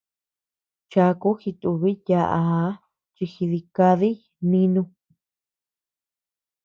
Chaku jitubiy yaʼaa chi jidikadiy nínu.